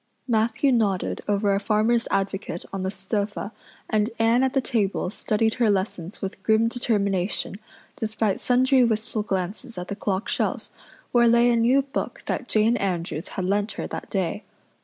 Matthew nodded over a Farmers' Advocate on the sofa and Anne at the table studied her lessons with grim determination, despite sundry wistful glances at the clock shelf, where lay a new book that Jane Andrews had lent her that day.